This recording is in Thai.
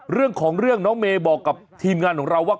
เรื่องของเรื่องน้องเมย์บอกกับทีมงานของเราว่า